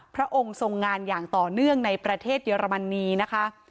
พระองค์ทรงงานอย่างต่อเนื่องในประเทศเยอรมนีนะคะ